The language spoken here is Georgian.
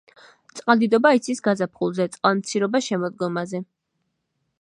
წყალდიდობა იცის გაზაფხულზე, წყალმცირობა შემოდგომაზე.